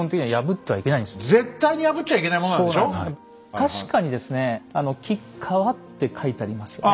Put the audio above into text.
確かにですね「吉川」って書いてありますよね。